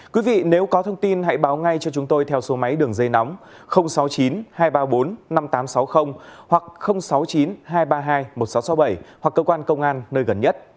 quý vị nếu có thông tin hãy báo ngay cho chúng tôi theo số máy đường dây nóng sáu mươi chín hai trăm ba mươi bốn năm nghìn tám trăm sáu mươi hoặc sáu mươi chín hai trăm ba mươi hai một nghìn sáu trăm sáu mươi bảy hoặc cơ quan công an nơi gần nhất